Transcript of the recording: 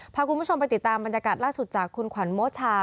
พาคุณผู้ชมไปติดตามบรรยากาศล่าสุดจากคุณขวัญโมชา